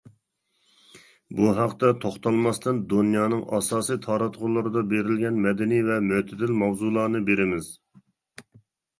بۇ ھەقتە توختالماستىن، دۇنيانىڭ ئاساسى تاراتقۇلىرىدا بېرىلگەن مەدەنىي ۋە مۆتىدىل ماۋزۇلارنى بېرىمىز.